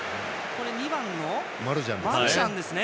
２番のマルシャンです。